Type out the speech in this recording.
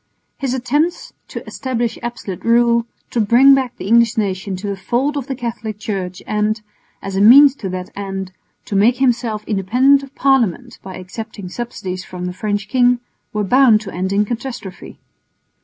His attempts to establish absolute rule, to bring back the English nation to the fold of the Catholic Church and, as a means to that end, to make himself independent of Parliament by accepting subsidies from the French king, were bound to end in catastrophe.